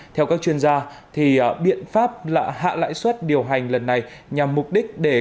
theo các chuyên gia biện pháp là hạ lãi suất điều hành lần này nhằm mục đích để các nhà đầu tư có thể đạt được những lợi ích